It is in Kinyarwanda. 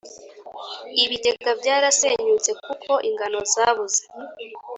ibigega byarasenyutse kuko ingano zabuze.